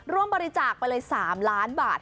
ร่วมบริจาคไปเลย๓ล้านบาท